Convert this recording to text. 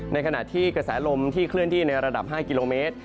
ในขณะที่กระแสลมที่เคลื่อนที่ในระดับ๕กิโลเมตร